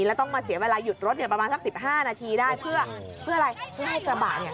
แล้วต้องมาเสียเวลาหยุดรถเนี่ยประมาณสัก๑๕นาทีได้เพื่ออะไรเพื่อให้กระบะเนี่ย